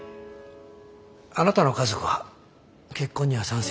あなたの家族は結婚には賛成でしたか？